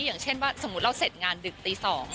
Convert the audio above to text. อย่างเช่นว่าสมมุติเราเสร็จงานดึกตี๒